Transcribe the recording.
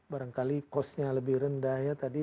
barangkali costnya lebih rendah ya tadi